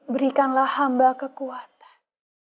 berikanlah hamba kekuatan